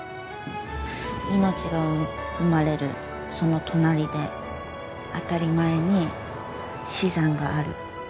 命が生まれるその隣で当たり前に死産がある。